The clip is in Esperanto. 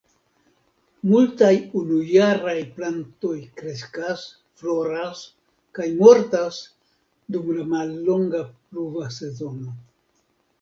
Multaj unujaraj plantoj kreskas, floras kaj mortas dum la mallonga pluva sezono.